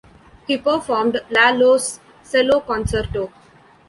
He performed Lalo's Cello Concerto.